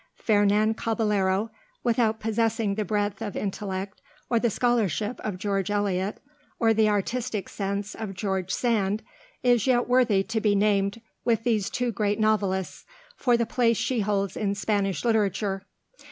Fernan Caballero, without possessing the breadth of intellect or the scholarship of George Eliot, or the artistic sense of George Sand, is yet worthy to be named with these two great novelists for the place she holds in Spanish literature.